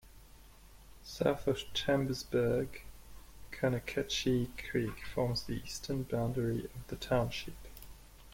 South of Chambersburg, Conococheague Creek forms the eastern boundary of the township.